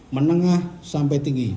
menengah sampai tinggi